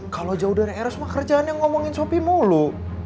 kalo jauh dari eros mah kerjaannya ngomongin sopi mulu